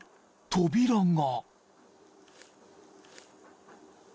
扉が］